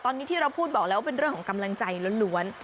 ตอนนี้ที่เราพูดบอกแล้วว่าเป็นเรื่องของกำลังใจล้วน